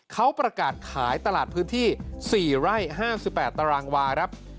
เขาประกาศขายตลาดพื้นที่๔ไร่๕๘ตารางวาครับ